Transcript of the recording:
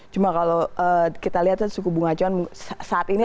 cuma kalau kita lihat suku bunga acuan saat ini